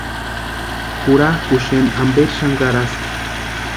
Jurakʼuni xeni amperi xani karaski.